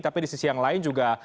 tapi di sisi yang lain juga